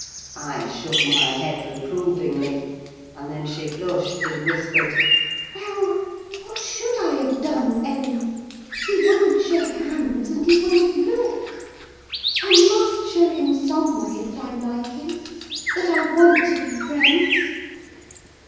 I shook my head reprovingly, and then she blushed and whispered—"Well! what should I have done, Ellen? He wouldn't shake hands, and he wouldn't look: I must show him some way that I like him—that I want to be friends."